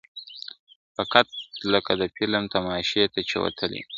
فقط لکه د فلم تماشې ته چي وتلي وي ..